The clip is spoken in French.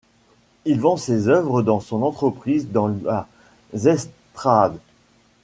Il vend ces œuvres dans son entreprise dans la Zeestraat.